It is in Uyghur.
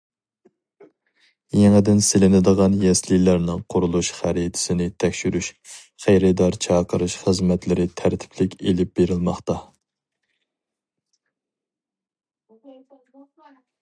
يېڭىدىن سېلىنىدىغان يەسلىلەرنىڭ قۇرۇلۇش خەرىتىسىنى تەكشۈرۈش، خېرىدار چاقىرىش خىزمەتلىرى تەرتىپلىك ئېلىپ بېرىلماقتا.